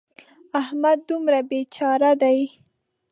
احمد دومره بې چاره دی.